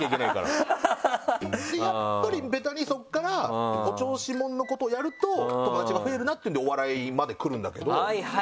やっぱりベタにそこからお調子者のことをやると友達が増えるなっていうのでお笑いまでくるんだけど。